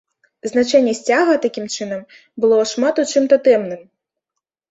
Значэнне сцяга, такім чынам, было шмат у чым татэмным.